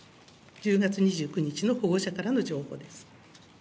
１０月２９日の保護者からの情報です。